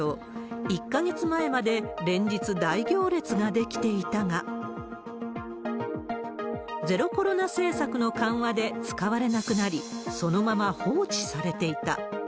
１か月前まで連日、大行列が出来ていたが、ゼロコロナ政策の緩和で使われなくなり、そのまま放置されていた。